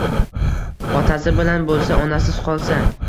Otasi bilan bo’lsa, onasiz qolsa.